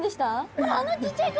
ほらあのちっちゃい子！